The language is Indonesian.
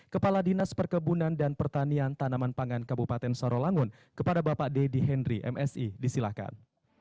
kepala dinas perkebunan dan pertanian tanaman pangan kabupaten sarawangun kepada bapak deddy henry msi disilahkan